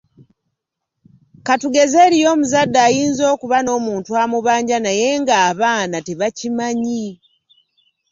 Ka tugeze eriyo omuzadde ayinza okuba n'omuntu amubanja naye nga abaana tebakimanyi.